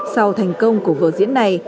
sau thành công của vở diễn này